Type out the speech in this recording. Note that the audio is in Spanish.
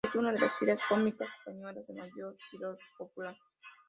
Es una de las tiras cómicas españolas de mayor tirón popular.